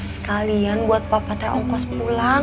sekalian buat papa teh ongkos pulang